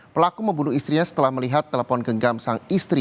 pelaku membunuh istrinya setelah melihat telepon genggam sang istri